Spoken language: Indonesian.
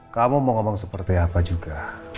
kamu mau ngomong seperti apa juga